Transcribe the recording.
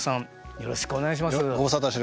よろしくお願いします。